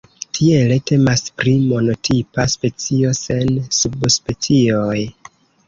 Tiele temas pri monotipa specio, sen subspecioj.